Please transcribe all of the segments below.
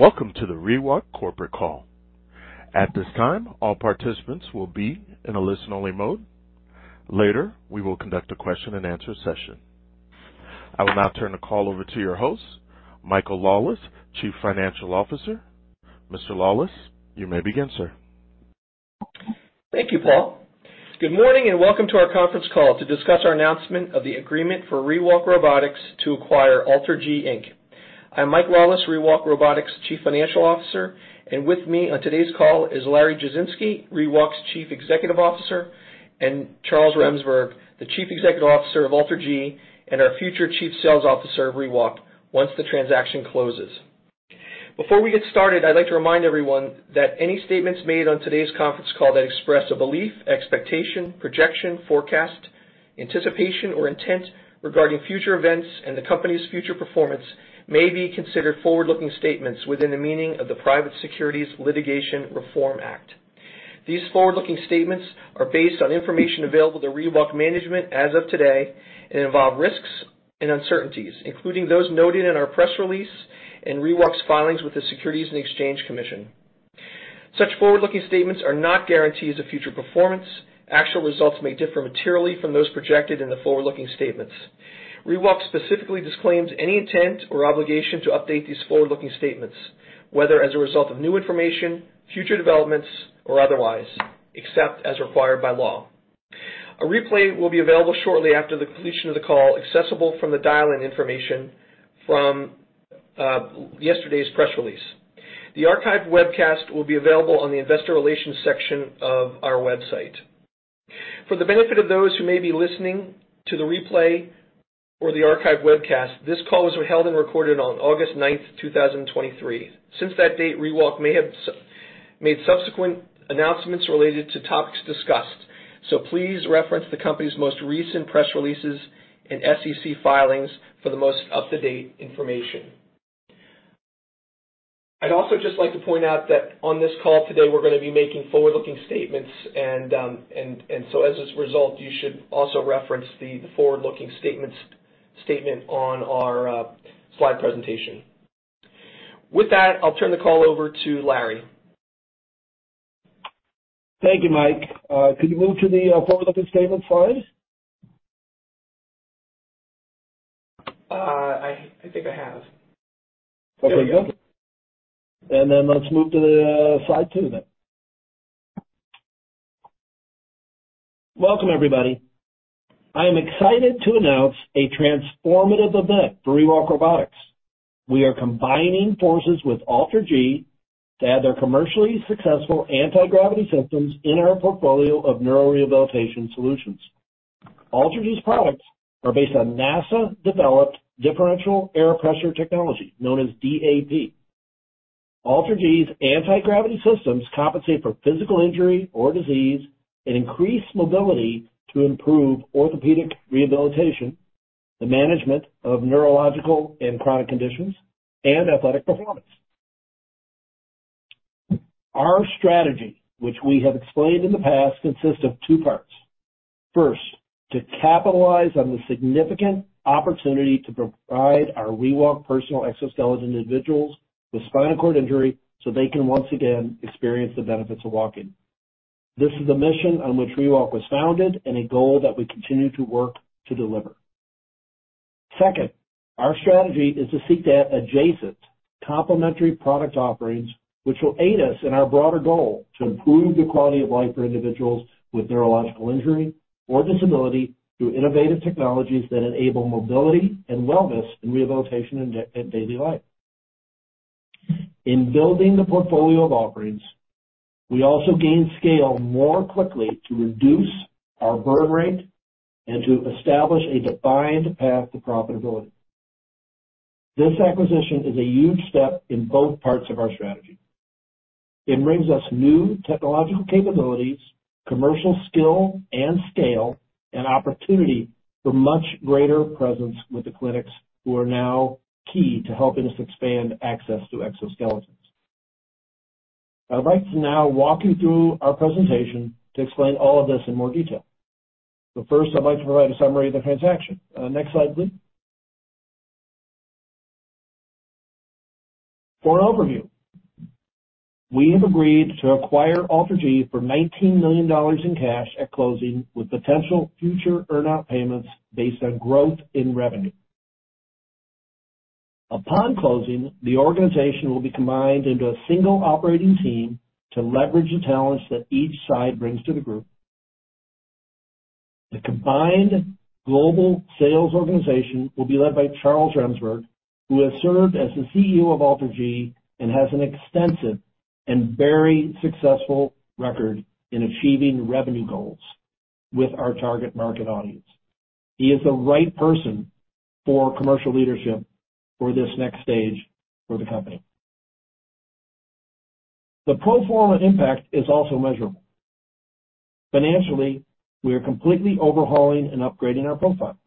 Welcome to the ReWalk corporate call. At this time, all participants will be in a listen-only mode. Later, we will conduct a question-and-answer session. I will now turn the call over to your host, Michael Lawless, Chief Financial Officer. Mr. Lawless, you may begin, sir. Thank you, Paul. Good morning, welcome to our conference call to discuss our announcement of the agreement for ReWalk Robotics to acquire AlterG, Inc. I'm Mike Lawless, ReWalk Robotics' Chief Financial Officer. With me on today's call is Larry Jasinski, ReWalk's Chief Executive Officer. Charles Remsberg, the Chief Executive Officer of AlterG and our future Chief Sales Officer of ReWalk once the transaction closes. Before we get started, I'd like to remind everyone that any statements made on today's conference call that express a belief, expectation, projection, forecast, anticipation, or intent regarding future events and the company's future performance may be considered forward-looking statements within the meaning of the Private Securities Litigation Reform Act. These forward-looking statements are based on information available to ReWalk management as of today and involve risks and uncertainties, including those noted in our press release and ReWalk's filings with the Securities and Exchange Commission. Such forward-looking statements are not guarantees of future performance. Actual results may differ materially from those projected in the forward-looking statements. ReWalk specifically disclaims any intent or obligation to update these forward-looking statements, whether as a result of new information, future developments, or otherwise, except as required by law. A replay will be available shortly after the completion of the call, accessible from the dial-in information from yesterday's press release. The archived webcast will be available on the investor relations section of our website. For the benefit of those who may be listening to the replay or the archived webcast, this call was held and recorded on August 9th, 2023. Since that date, ReWalk may have made subsequent announcements related to topics discussed. Please reference the company's most recent press releases and SEC filings for the most up-to-date information. I'd also just like to point out that on this call today, we're going to be making forward-looking statements and so as a result, you should also reference the, the forward-looking statements, statement on our slide presentation. With that, I'll turn the call over to Larry. Thank you, Mike. Could you move to the forward-looking statement slide? I, I think I have. Okay, good. There we go. Let's move to slide two. Welcome, everybody. I am excited to announce a transformative event for ReWalk Robotics. We are combining forces with AlterG to add their commercially successful Anti-Gravity systems in our portfolio of neurorehabilitation solutions. AlterG's products are based on NASA-developed Differential Air Pressure technology, known as DAP. AlterG's Anti-Gravity systems compensate for physical injury or disease and increase mobility to improve orthopedic rehabilitation, the management of neurological and chronic conditions, and athletic performance. Our strategy, which we have explained in the past, consists of two parts. First, to capitalize on the significant opportunity to provide our ReWalk Personal Exoskeleton to individuals with spinal cord injury, so they can once again experience the benefits of walking. This is the mission on which ReWalk was founded and a goal that we continue to work to deliver. Second, our strategy is to seek to add adjacent complementary product offerings, which will aid us in our broader goal to improve the quality of life for individuals with neurological injury or disability, through innovative technologies that enable mobility and wellness and rehabilitation in daily life. In building the portfolio of offerings, we also gain scale more quickly to reduce our burn rate and to establish a defined path to profitability. This acquisition is a huge step in both parts of our strategy. It brings us new technological capabilities, commercial skill and scale, and opportunity for much greater presence with the clinics who are now key to helping us expand access to exoskeletons. I'd like to now walk you through our presentation to explain all of this in more detail. First, I'd like to provide a summary of the transaction. Next slide, please. For an overview, we have agreed to acquire AlterG for $19 million in cash at closing, with potential future earn-out payments based on growth in revenue. Upon closing, the organization will be combined into a single operating team to leverage the talents that each side brings to the group. The combined global sales organization will be led by Charles Remsberg, who has served as the CEO of AlterG and has an extensive and very successful record in achieving revenue goals with our target market audience. He is the right person for commercial leadership for this next stage for the company. The pro forma impact is also measurable. Financially, we are completely overhauling and upgrading our profile.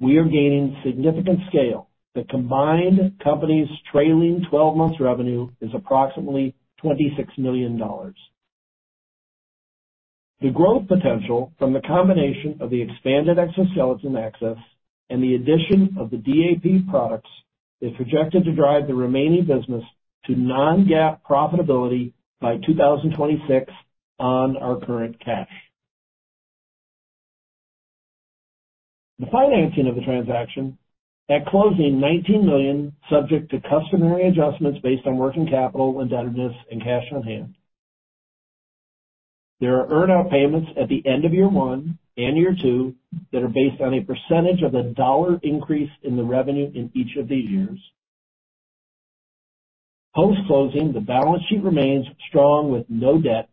We are gaining significant scale. The combined company's trailing twelve-month revenue is approximately $26 million. The growth potential from the combination of the expanded exoskeleton access and the addition of the DAP products is projected to drive the remaining business to non-GAAP profitability by 2026 on our current cash. The financing of the transaction, at closing, 19 million, subject to customary adjustments based on working capital, indebtedness and cash on hand. There are earnout payments at the end of year one and year two that are based on a % of the dollar increase in the revenue in each of these years. Post-closing, the balance sheet remains strong with no debt.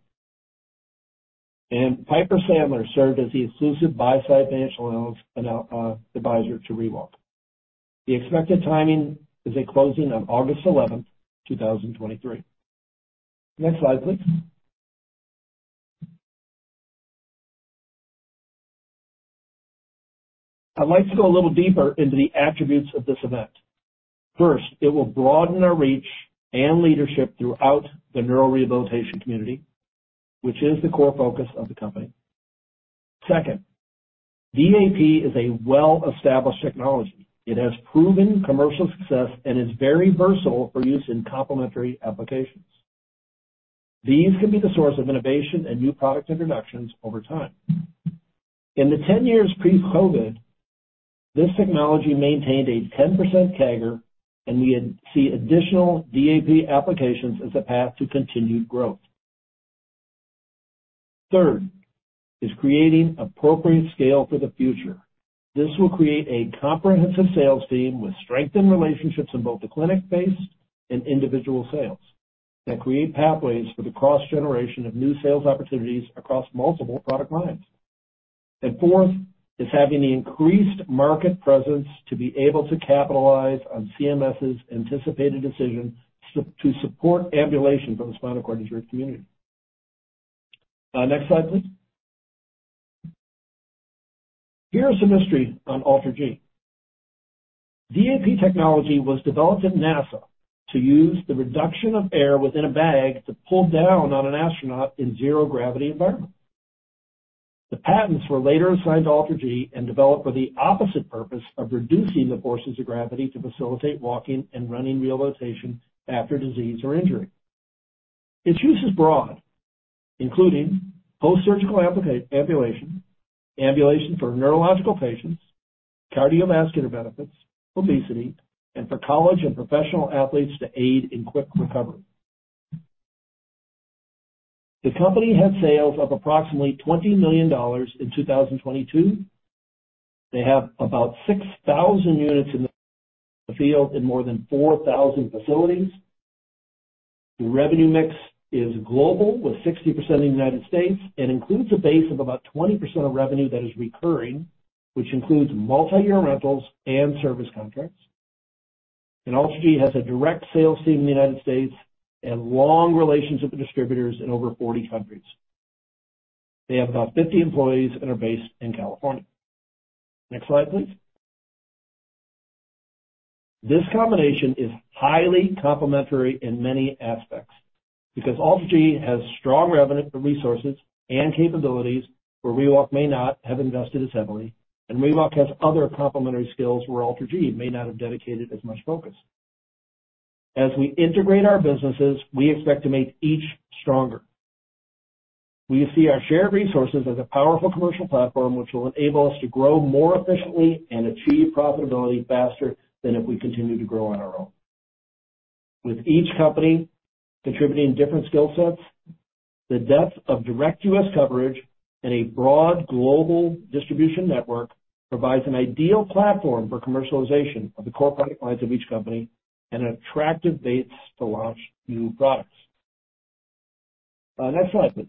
Piper Sandler served as the exclusive buy-side financial advisor to ReWalk. The expected timing is a closing on August 11th, 2023. Next slide, please. I'd like to go a little deeper into the attributes of this event. First, it will broaden our reach and leadership throughout the neural rehabilitation community, which is the core focus of the company. Second, DAP is a well-established technology. It has proven commercial success and is very versatile for use in complementary applications. These can be the source of innovation and new product introductions over time. In the 10 years pre-COVID, this technology maintained a 10% CAGR, and we see additional DAP applications as a path to continued growth. Third, is creating appropriate scale for the future. This will create a comprehensive sales team with strengthened relationships in both the clinic-based and individual sales, and create pathways for the cross-generation of new sales opportunities across multiple product lines. Fourth, is having the increased market presence to be able to capitalize on CMS's anticipated decision to support ambulation for the spinal cord injury community. Next slide, please. Here is some history on AlterG. DAP technology was developed at NASA to use the reduction of air within a bag to pull down on an astronaut in zero gravity environment. The patents were later assigned to AlterG and developed for the opposite purpose of reducing the forces of gravity to facilitate walking and running rehabilitation after disease or injury. Its use is broad, including post-surgical ambulation, ambulation for neurological patients, cardiovascular benefits, obesity, and for college and professional athletes to aid in quick recovery. The company had sales of approximately $20 million in 2022. They have about 6,000 units in the field in more than 4,000 facilities. The revenue mix is global, with 60% in the United States and includes a base of about 20% of revenue that is recurring, which includes multi-year rentals and service contracts. AlterG has a direct sales team in the United States and long relationships with distributors in over 40 countries. They have about 50 employees and are based in California. Next slide, please. This combination is highly complementary in many aspects because AlterG has strong revenue and resources and capabilities where ReWalk may not have invested as heavily, and ReWalk has other complementary skills where AlterG may not have dedicated as much focus. As we integrate our businesses, we expect to make each stronger. We see our shared resources as a powerful commercial platform, which will enable us to grow more efficiently and achieve profitability faster than if we continued to grow on our own. With each company contributing different skill sets, the depth of direct U.S. coverage and a broad global distribution network provides an ideal platform for commercialization of the core product lines of each company and an attractive base to launch new products. Next slide, please.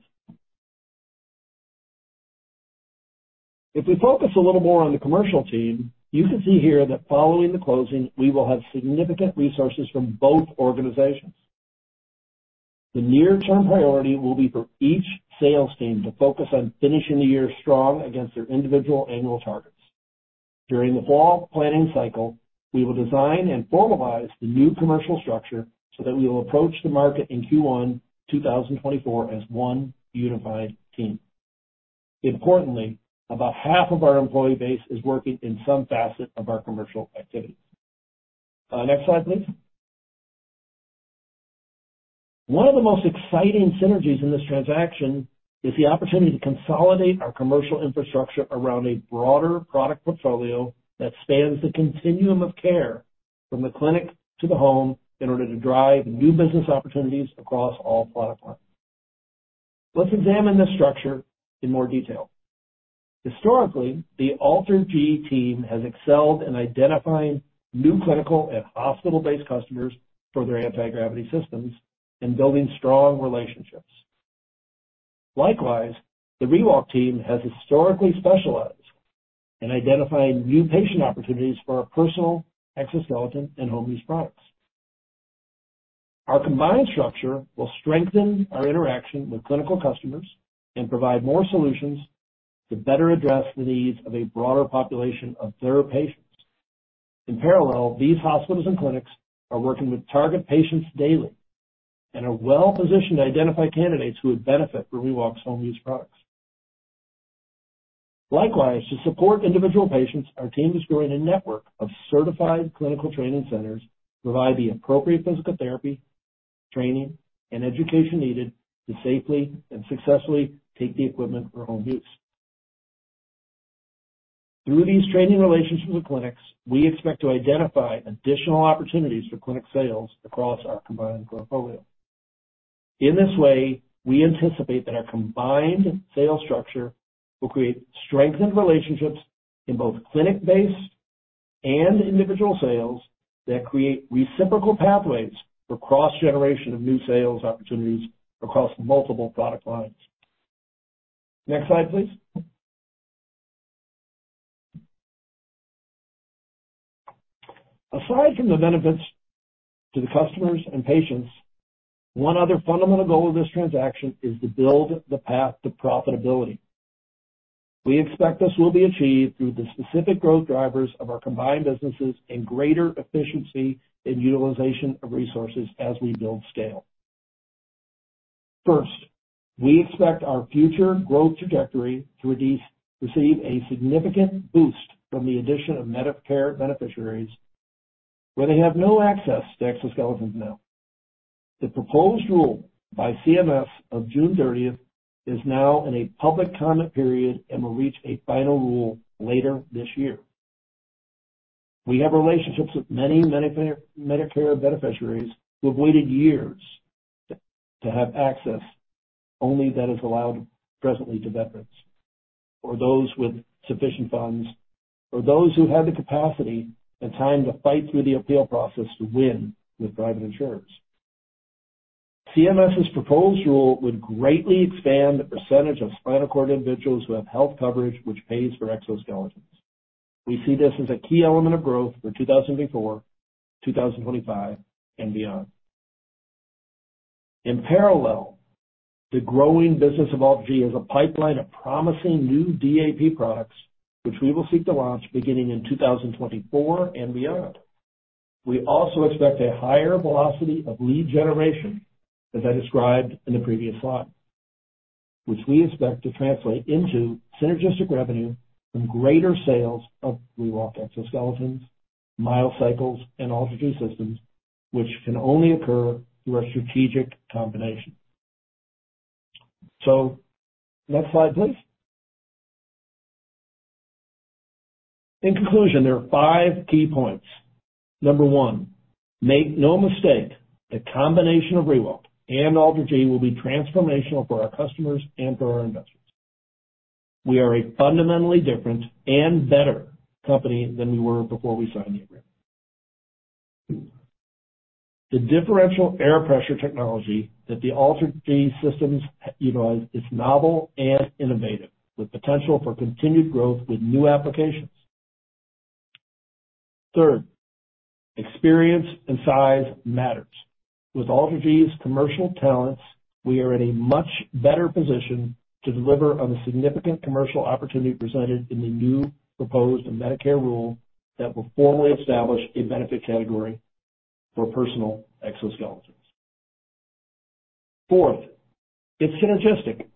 If we focus a little more on the commercial team, you can see here that following the closing, we will have significant resources from both organizations. The near-term priority will be for each sales team to focus on finishing the year strong against their individual annual targets. During the fall planning cycle, we will design and formalize the new commercial structure so that we will approach the market in Q1 2024 as one unified team. Importantly, about half of our employee base is working in some facet of our commercial activities. Next slide, please. One of the most exciting synergies in this transaction is the opportunity to consolidate our commercial infrastructure around a broader product portfolio that spans the continuum of care, from the clinic to the home, in order to drive new business opportunities across all product lines. Let's examine this structure in more detail. Historically, the AlterG team has excelled in identifying new clinical and hospital-based customers for their Anti-Gravity systems and building strong relationships. Likewise, the ReWalk team has historically specialized in identifying new patient opportunities for our personal exoskeleton and home use products. Our combined structure will strengthen our interaction with clinical customers and provide more solutions to better address the needs of a broader population of their patients. In parallel, these hospitals and clinics are working with target patients daily and are well positioned to identify candidates who would benefit from ReWalk's home use products. Likewise, to support individual patients, our team is growing a network of certified clinical training centers to provide the appropriate physical therapy, training, and education needed to safely and successfully take the equipment for home use. Through these training relationships with clinics, we expect to identify additional opportunities for clinic sales across our combined portfolio. In this way, we anticipate that our combined sales structure will create strengthened relationships in both clinic-based and individual sales that create reciprocal pathways for cross-generation of new sales opportunities across multiple product lines. Next slide, please. Aside from the benefits to the customers and patients, one other fundamental goal of this transaction is to build the path to profitability. We expect this will be achieved through the specific growth drivers of our combined businesses and greater efficiency in utilization of resources as we build scale. First, we expect our future growth trajectory to receive a significant boost from the addition of Medicare beneficiaries, where they have no access to exoskeletons now. The proposed rule by CMS of June 30th is now in a public comment period and will reach a final rule later this year. We have relationships with many Medicare, Medicare beneficiaries who have waited years to have access, only that is allowed presently to veterans, or those with sufficient funds, or those who have the capacity and time to fight through the appeal process to win with private insurance. CMS's proposed rule would greatly expand the % of spinal cord individuals who have health coverage, which pays for exoskeletons. We see this as a key element of growth for 2024, 2025, and beyond. In parallel, the growing business of AlterG as a pipeline of promising new DAP products, which we will seek to launch beginning in 2024 and beyond. We also expect a higher velocity of lead generation, as I described in the previous slide, which we expect to translate into synergistic revenue from greater sales of ReWalk exoskeletons, MyoCycles, and AlterG systems, which can only occur through our strategic combination. Next slide, please. In conclusion, there are five key points. Number one, make no mistake, the combination of ReWalk and AlterG will be transformational for our customers and for our investors. We are a fundamentally different and better company than we were before we signed the agreement. Two, the Differential Air Pressure technology that the AlterG systems utilize is novel and innovative, with potential for continued growth with new applications. Third, experience and size matters. With AlterG's commercial talents, we are in a much better position to deliver on the significant commercial opportunity presented in the new proposed Medicare rule that will formally establish a benefit category for personal exoskeletons. Fourth, it's synergistic.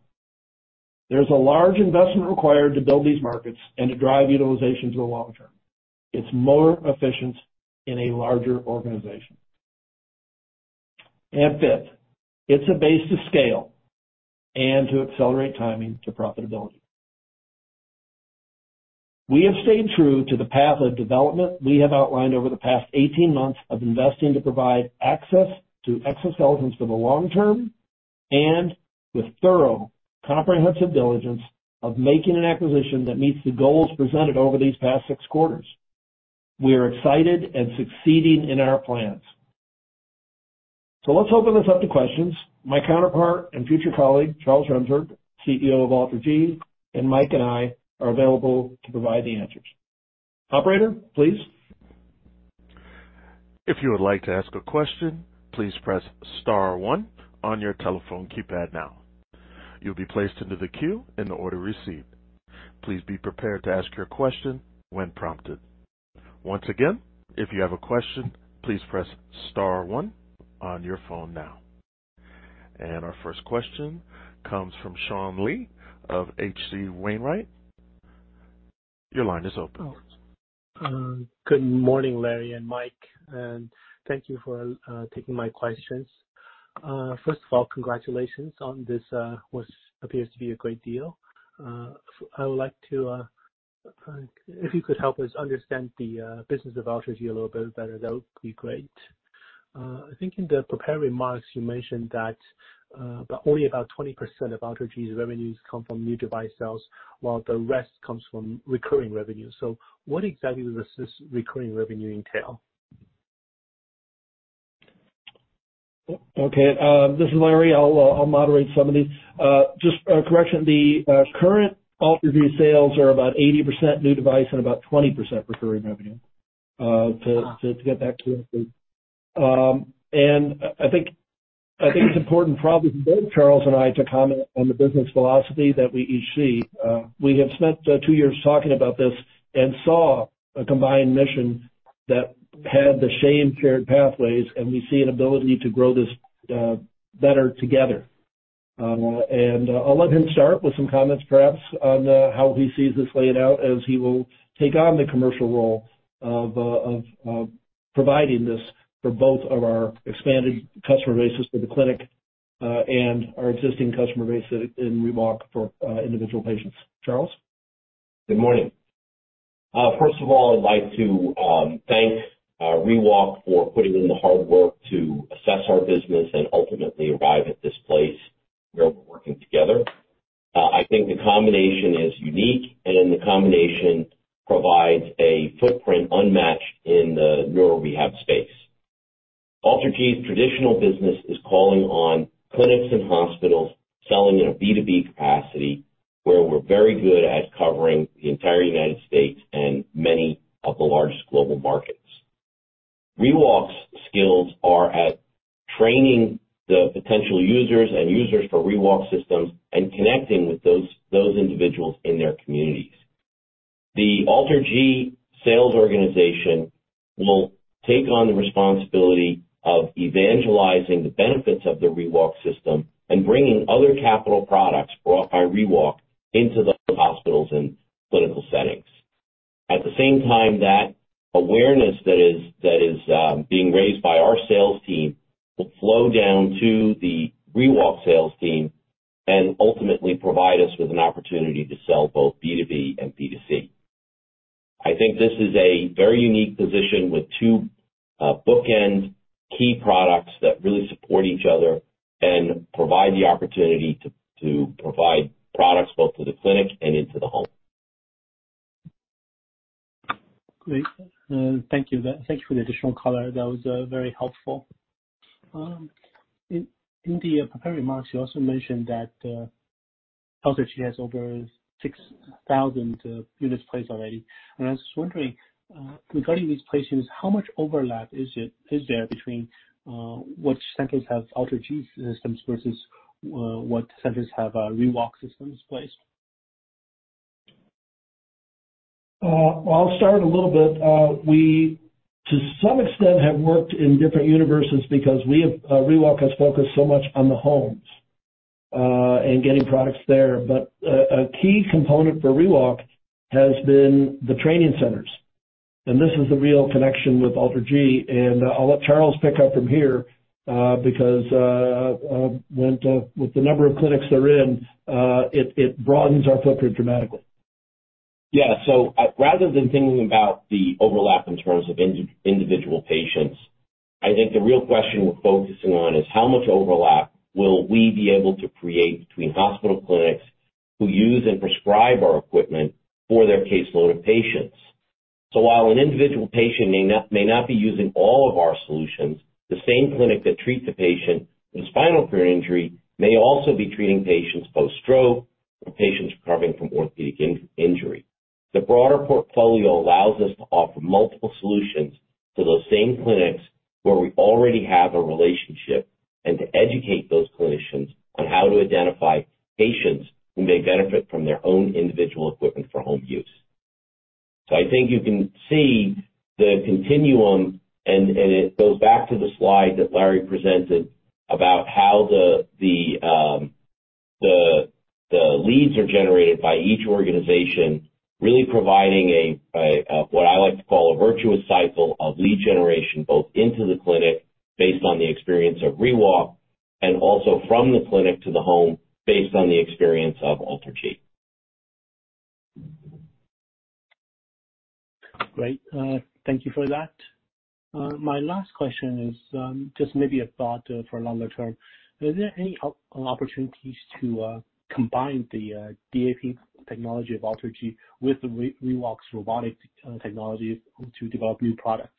There's a large investment required to build these markets and to drive utilization to the long term. It's more efficient in a larger organization. Fifth, it's a base to scale and to accelerate timing to profitability. We have stayed true to the path of development we have outlined over the past 18 months of investing to provide access to exoskeletons for the long term and with thorough, comprehensive diligence of making an acquisition that meets the goals presented over these past six quarters. We are excited and succeeding in our plans. Let's open this up to questions. My counterpart and future colleague, Charles Remsberg, CEO of AlterG, and Mike and I are available to provide the answers. Operator, please. If you would like to ask a question, please press star one on your telephone keypad now. You'll be placed into the queue in the order received. Please be prepared to ask your question when prompted. Once again, if you have a question, please press star one on your phone now. Our first question comes from Swayampakula Ramprasad of H.C. Wainwright. Your line is open. Good morning, Larry and Mike, thank you for taking my questions. First of all, congratulations on this, what appears to be a great deal. I would like to, if you could help us understand the business of AlterG a little bit better, that would be great. I think in the prepared remarks, you mentioned that about only about 20% of AlterG's revenues come from new device sales, while the rest comes from recurring revenue. What exactly does this recurring revenue entail? Okay, this is Larry. I'll moderate some of these. Just a correction, the current AlterG sales are about 80% new device and about 20% recurring revenue, to get back to you. I think it's important probably for both Charles and I to comment on the business philosophy that we each see. We have spent two years talking about this and saw a combined mission that had the same shared pathways, and we see an ability to grow this better together. I'll let him start with some comments, perhaps on how he sees this laying out as he will take on the commercial role of of providing this for both of our expanded customer bases for the clinic, and our existing customer base in ReWalk for individual patients. Charles? Good morning. First of all, I'd like to thank ReWalk for putting in the hard work to assess our business and ultimately arrive at this place where we're working together. I think the combination is unique, and the combination provides a footprint unmatched in the neuro rehab space. AlterG's traditional business is calling on clinics and hospitals, selling in a B2B capacity, where we're very good at covering the entire United States and many of the largest global markets. ReWalk's skills are at training the potential users and users for ReWalk systems and connecting with those, those individuals in their communities. The AlterG sales organization will take on the responsibility of evangelizing the benefits of the ReWalk system and bringing other capital products brought by ReWalk into the hospitals and clinical settings. At the same time, that awareness that is, that is, being raised by our sales team, will flow down to the ReWalk sales team and ultimately provide us with an opportunity to sell both B2B and B2C. I think this is a very unique position with two bookend key products that really support each other and provide the opportunity to, to provide products both to the clinic and into the home. Great. Thank you. Thank you for the additional color. That was very helpful. In the prepared remarks, you also mentioned that AlterG has over 6,000 units placed already. I was just wondering, regarding these placements, how much overlap is there between which centers have AlterG systems versus what centers have ReWalk systems placed? Well, I'll start a little bit. We, to some extent, have worked in different universes because we have ReWalk has focused so much on the homes, and getting products there. A key component for ReWalk has been the training centers, and this is the real connection with AlterG, and I'll let Charles pick up from here, because when with the number of clinics they're in, it broadens our footprint dramatically. Rather than thinking about the overlap in terms of individual patients, I think the real question we're focusing on is, how much overlap will we be able to create between hospital clinics who use and prescribe our equipment for their caseload of patients? While an individual patient may not, may not be using all of our solutions, the same clinic that treats a patient with spinal cord injury may also be treating patients post-stroke or patients recovering from orthopedic injury. The broader portfolio allows us to offer multiple solutions to those same clinics where we already have a relationship, and to educate those clinicians on how to identify patients who may benefit from their own individual equipment for home use. I think you can see the continuum, and, and it goes back to the slide that Larry presented about how the, the, the leads are generated by each organization, really providing a, a, what I like to call a virtuous cycle of lead generation, both into the clinic based on the experience of ReWalk, and also from the clinic to the home, based on the experience of AlterG. Great. Thank you for that. My last question is just maybe a thought for longer term. Is there any opportunities to combine the DAP technology of AlterG with ReWalk's robotic technology to develop new products?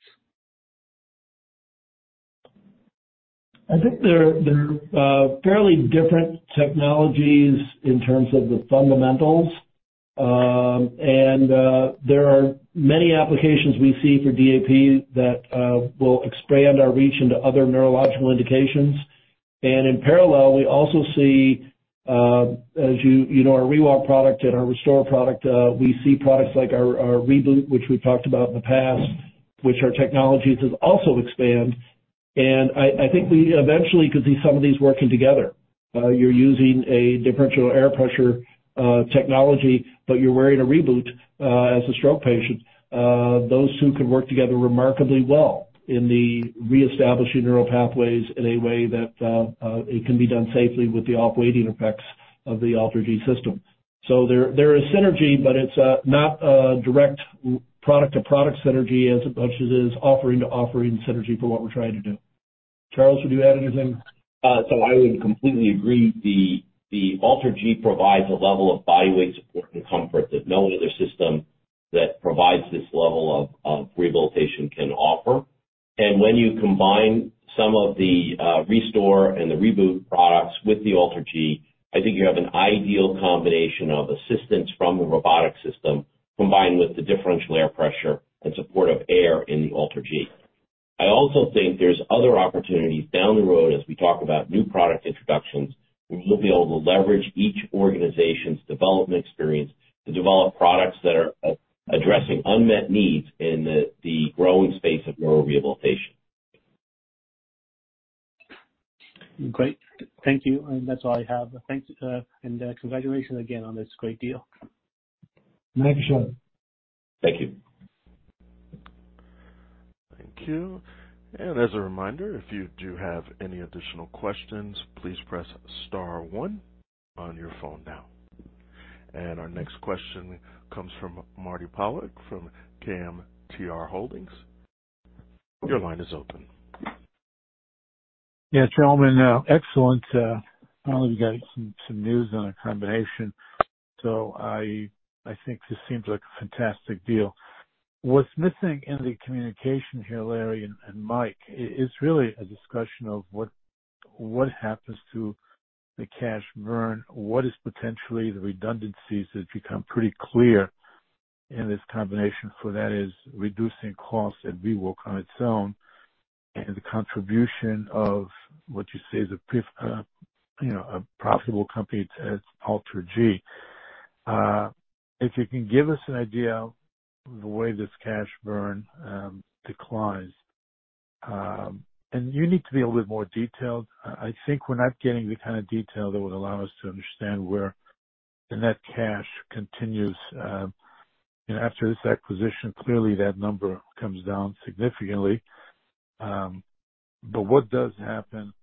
I think they're, they're fairly different technologies in terms of the fundamentals. And there are many applications we see for DAP that will expand our reach into other neurological indications. In parallel, we also see, as you, you know, our ReWalk product and our ReStore product, we see products like our, our ReBoot, which we've talked about in the past, which our technologies is also expand. I, I think we eventually could see some of these working together. You're using a Differential Air Pressure technology, but you're wearing a ReBoot as a stroke patient. Those two could work together remarkably well in the reestablishing neural pathways in a way that it can be done safely with the offloading effects of the AlterG system. There, there is synergy, but it's not a direct product-to-product synergy as much as it is offering-to-offering synergy for what we're trying to do. Charles, would you add anything? I would completely agree. The AlterG provides a level of bodyweight support and comfort that no other system that provides this level of rehabilitation can offer. When you combine some of the ReStore and the ReBoot products with the AlterG, I think you have an ideal combination of assistance from the robotic system, combined with the Differential Air Pressure and support of air in the AlterG.... I also think there's other opportunities down the road as we talk about new product introductions, where we'll be able to leverage each organization's development experience to develop products that are addressing unmet needs in the, the growing space of neural rehabilitation. Great. Thank you. That's all I have. Thanks. Congratulations again on this great deal. Thank you, sir. Thank you. Thank you. As a reminder, if you do have any additional questions, please press star one on your phone now. Our next question comes from Marty Pollack from KMTR Capital Management. Your line is open. Yeah, gentlemen, excellent, well, you got some, some news on a combination, so I, I think this seems like a fantastic deal. What's missing in the communication here, Larry and, and Mike, it's really a discussion of what, what happens to the cash burn? What is potentially the redundancies that become pretty clear in this combination? That is reducing costs at ReWalk on its own, and the contribution of what you say is a pre-, you know, a profitable company as AlterG. If you can give us an idea of the way this cash burn declines, and you need to be a little bit more detailed. I, I think we're not getting the kind of detail that would allow us to understand where the net cash continues. You know, after this acquisition, clearly that number comes down significantly. What does happen,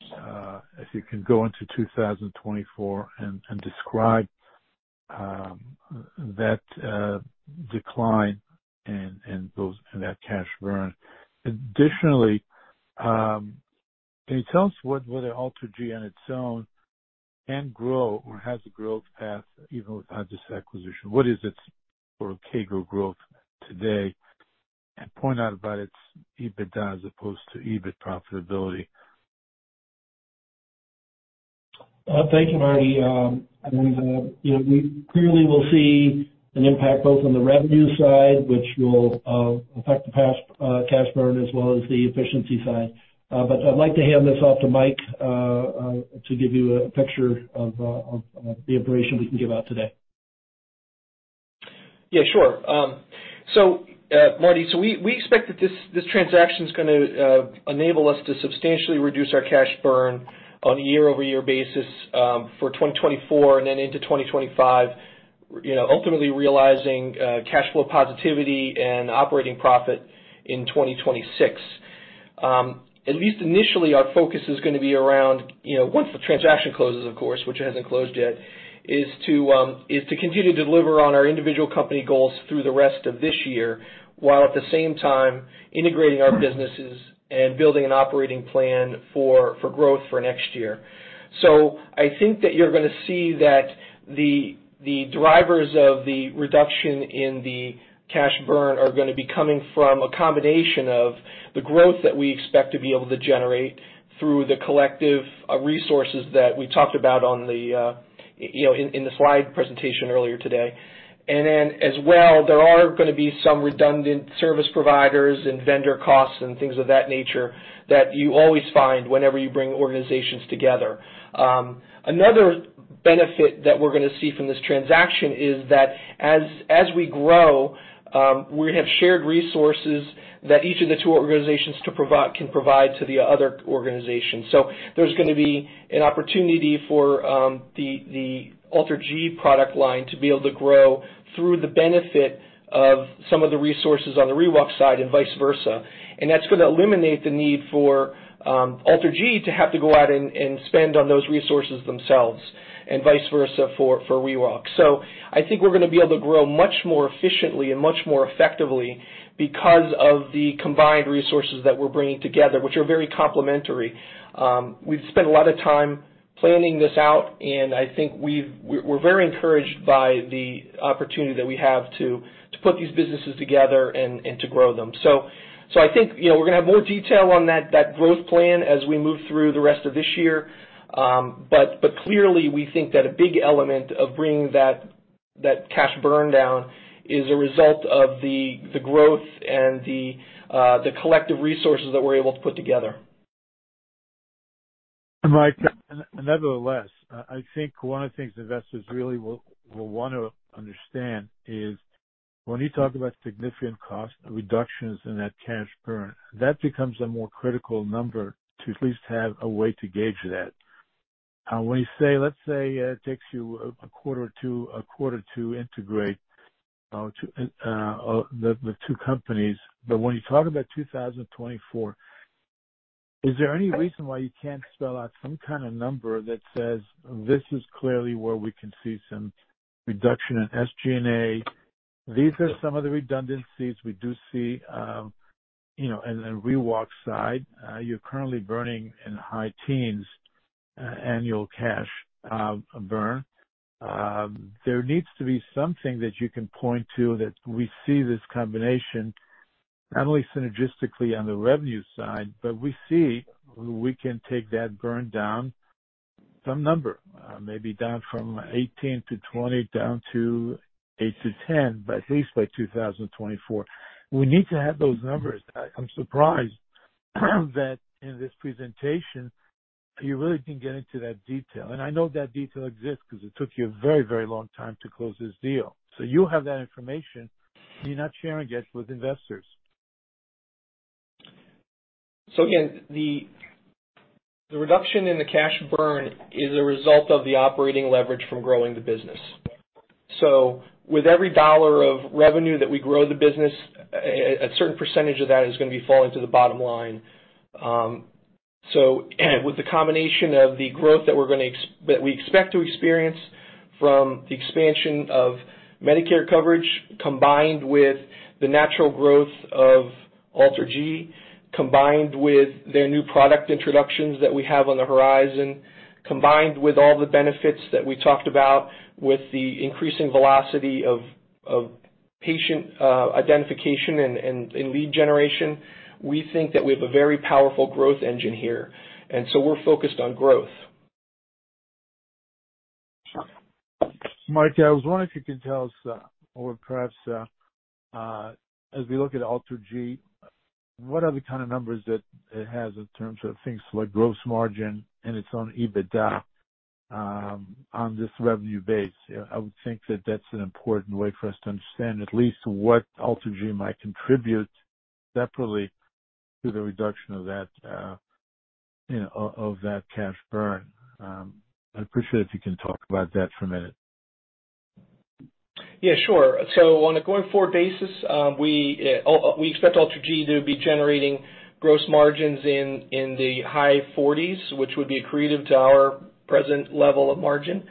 if you can go into 2024 and describe that decline and that cash burn? Additionally, can you tell us what, whether AlterG on its own can grow or has a growth path even without this acquisition? What is its sort of CAGR growth today, and point out about its EBITDA as opposed to EBIT profitability? Thank you, Marty. I mean, you know, we clearly will see an impact both on the revenue side, which will affect the past cash burn as well as the efficiency side. I'd like to hand this off to Mike to give you a picture of of the information we can give out today. Yeah, sure. Marty, we expect that this, this transaction is going to enable us to substantially reduce our cash burn on a year-over-year basis for 2024. Then into 2025, you know, ultimately realizing cash flow positivity and operating profit in 2026. At least initially, our focus is going to be around, you know, once the transaction closes, of course, which it hasn't closed yet, is to continue to deliver on our individual company goals through the rest of this year, while at the same time integrating our businesses and building an operating plan for growth for next year. I think that you're going to see that the, the drivers of the reduction in the cash burn are going to be coming from a combination of the growth that we expect to be able to generate through the collective resources that we talked about on the, you know, in, in the slide presentation earlier today. Then as well, there are going to be some redundant service providers and vendor costs and things of that nature that you always find whenever you bring organizations together. Another benefit that we're going to see from this transaction is that as, as we grow, we have shared resources that each of the two organizations can provide to the other organization. There's going to be an opportunity for the AlterG product line to be able to grow through the benefit of some of the resources on the ReWalk side and vice versa. That's going to eliminate the need for AlterG to have to go out and spend on those resources themselves, and vice versa for ReWalk. I think we're going to be able to grow much more efficiently and much more effectively because of the combined resources that we're bringing together, which are very complementary. We've spent a lot of time planning this out, and I think we've. We're very encouraged by the opportunity that we have to put these businesses together and to grow them. I think, you know, we're going to have more detail on that, that growth plan as we move through the rest of this year. But clearly we think that a big element of bringing that, that cash burn down is a result of the, the growth and the, the collective resources that we're able to put together. Mike, nevertheless, I think one of the things investors really will, will want to understand is when you talk about significant cost reductions in that cash burn, that becomes a more critical number to at least have a way to gauge that. When you say, let's say, it takes you a quarter to, a quarter to integrate to the two companies, but when you talk about 2024, is there any reason why you can't spell out some kind of number that says, this is clearly where we can see some reduction in SG&A? These are some of the redundancies we do see, you know, in the ReWalk side. You're currently burning in high teens, annual cash burn. There needs to be something that you can point to that we see this combination, not only synergistically on the revenue side, but we see we can take that burn down. Some number, maybe down from 18-20, down to 8-10, but at least by 2024. We need to have those numbers. I'm surprised that in this presentation, you really didn't get into that detail. I know that detail exists because it took you a very, very long time to close this deal. You have that information, but you're not sharing it with investors. Again, the reduction in the cash burn is a result of the operating leverage from growing the business. With every dollar of revenue that we grow the business, a certain percentage of that is going to be falling to the bottom line. With the combination of the growth that we expect to experience from the expansion of Medicare coverage, combined with the natural growth of AlterG, combined with their new product introductions that we have on the horizon, combined with all the benefits that we talked about with the increasing velocity of patient identification and lead generation, we think that we have a very powerful growth engine here, and so we're focused on growth. Mike, I was wondering if you could tell us, or perhaps, as we look at AlterG, what are the kind of numbers that it has in terms of things like gross margin and its own EBITDA on this revenue base? I would think that that's an important way for us to understand at least what AlterG might contribute separately to the reduction of that, you know, of, of that cash burn. I'd appreciate if you can talk about that for a minute. Yeah, sure. On a going-forward basis, we expect AlterG to be generating gross margins in the high 40s, which would be accretive to our present level of margin.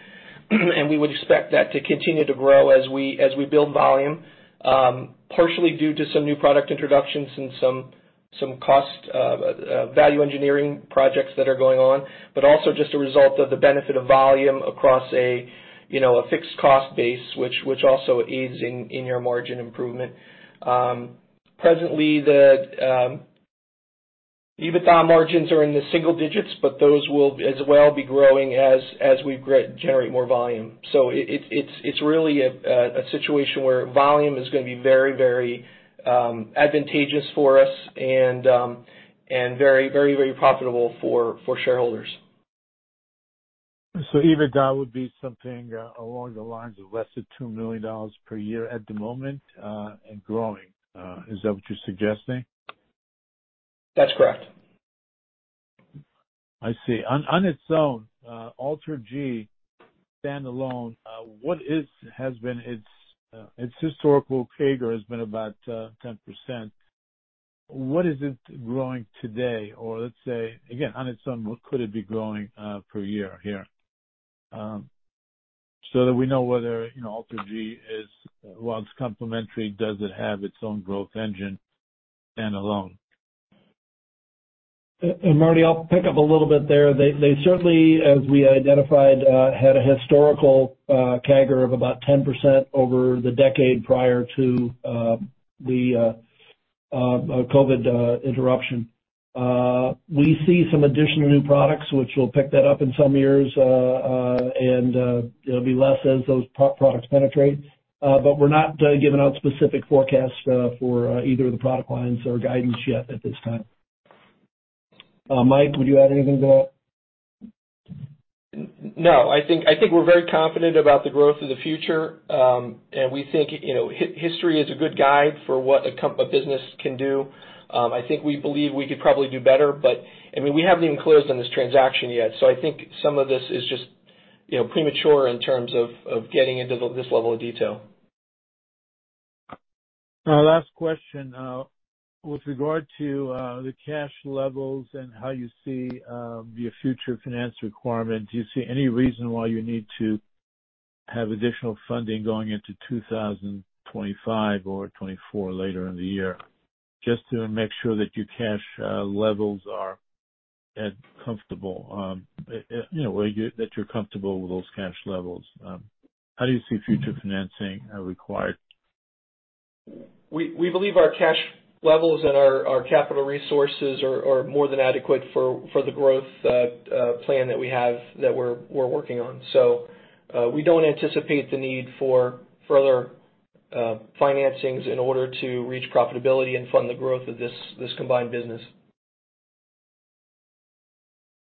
We would expect that to continue to grow as we, as we build volume, partially due to some new product introductions and some, some cost, value engineering projects that are going on, but also just a result of the benefit of volume across a, you know, a fixed cost base, which also aids in your margin improvement. Presently, the EBITDA margins are in the single digits, but those will as well be growing as we generate more volume. It, it's, it's really a, a situation where volume is going to be very, very, advantageous for us and, and very, very, very profitable for, for shareholders. EBITDA would be something along the lines of less than $2 million per year at the moment, and growing. Is that what you're suggesting? That's correct. I see. On, on its own, AlterG standalone, what is -- has been its, its historical CAGR has been about, 10%. What is it growing today? Or let's say, again, on its own, what could it be growing, per year here? So that we know whether, you know, AlterG is, while it's complementary, does it have its own growth engine standalone? Marty, I'll pick up a little bit there. They, they certainly, as we identified, had a historical CAGR of about 10% over the decade prior to the COVID interruption. We see some additional new products which will pick that up in some years, and it'll be less as those products penetrate. But we're not giving out specific forecasts for either of the product lines or guidance yet at this time. Mike, would you add anything to that? No, I think, I think we're very confident about the growth of the future. We think, you know, history is a good guide for what a business can do. I think we believe we could probably do better, I mean, we haven't even closed on this transaction yet, I think some of this is just, you know, premature in terms of, of getting into this level of detail. Last question. With regard to, the cash levels and how you see your future finance requirements, do you see any reason why you need to have additional funding going into 2025 or 2024 later in the year, just to make sure that your cash, levels are at comfortable, you know, that you're comfortable with those cash levels? How do you see future financing required? We, we believe our cash levels and our, our capital resources are, are more than adequate for, for the growth plan that we have, that we're, we're working on. We don't anticipate the need for further financings in order to reach profitability and fund the growth of this, this combined business.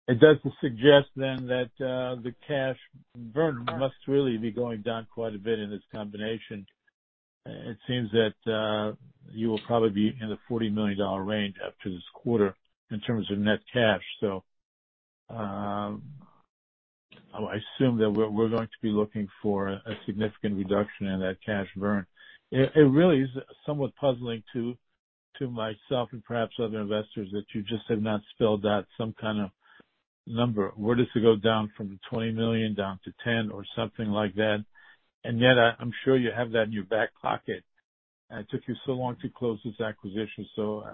It doesn't suggest then that the cash burn must really be going down quite a bit in this combination. It seems that you will probably be in the $40 million range after this quarter in terms of net cash. I assume that we're going to be looking for a significant reduction in that cash burn. It really is somewhat puzzling to myself and perhaps other investors, that you just have not spelled out some kind of number. Where does it go down from 20 million down to 10 million or something like that, and yet I'm sure you have that in your back pocket. It took you so long to close this acquisition, so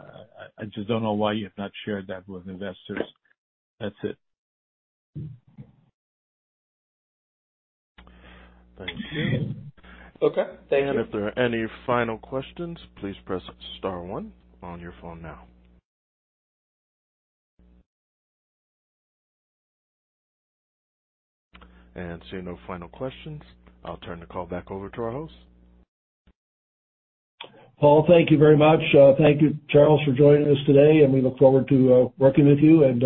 I just don't know why you have not shared that with investors. That's it. Thank you. Okay. Thank you. If there are any final questions, please press star one on your phone now. Seeing no final questions, I'll turn the call back over to our host. Paul, thank you very much. Thank you, Charles, for joining us today, and we look forward to working with you and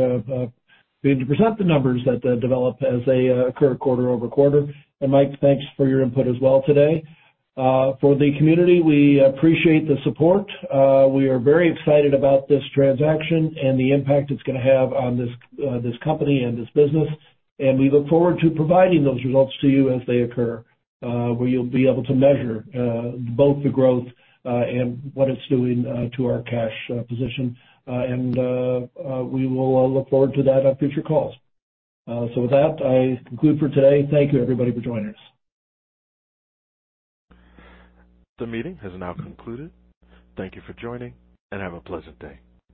being to present the numbers that develop as they occur quarter-over-quarter. Mike, thanks for your input as well today. For the community, we appreciate the support. We are very excited about this transaction and the impact it's going to have on this company and this business, and we look forward to providing those results to you as they occur, where you'll be able to measure both the growth and what it's doing to our cash position. We will look forward to that on future calls. With that, I conclude for today. Thank you, everybody, for joining us. The meeting has now concluded. Thank you for joining, and have a pleasant day.